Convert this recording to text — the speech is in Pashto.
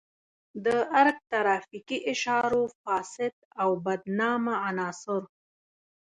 د ارګ ترافیکي اشارو فاسد او بدنامه عناصر.